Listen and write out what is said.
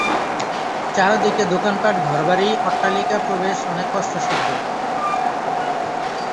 চার দিকে দোকানপাট, ঘরবাড়ি, অট্টালিকা প্রবেশ অনেক কষ্টসাধ্য।